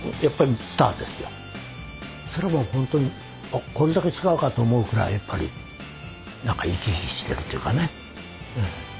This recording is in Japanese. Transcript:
それもうほんとにこれだけ違うかと思うぐらいやっぱりなんか生き生きしてるっていうかね。